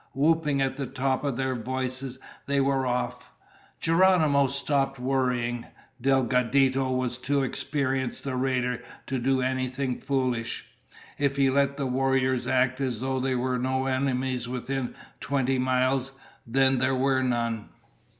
Whooping at the tops of their voices, they were off. Geronimo stopped worrying. Delgadito was too experienced a raider to do anything foolish. If he let the warriors act as though there were no enemies within twenty miles, then there were none.